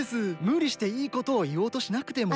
むりしていいことをいおうとしなくても。